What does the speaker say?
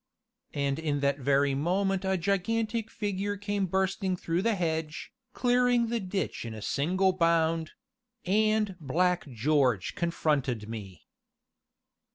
And in that very moment a gigantic figure came bursting through the hedge, clearing the ditch in a single bound and Black George confronted me.